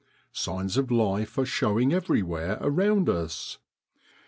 Signs of life are showing everywhere around us.